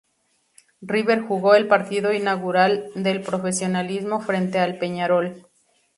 River jugó el partido inaugural del profesionalismo, frente a Peñarol.